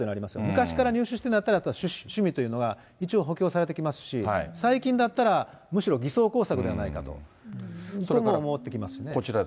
昔から入手してるんだったら、趣味というのが一応補強されてきますし、最近だったらむしろ偽装工作ではないかというふうに思ってきますよね。